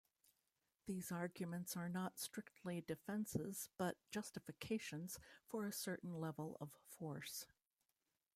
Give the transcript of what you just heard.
These arguments are not strictly defences but justifications for a certain level of force.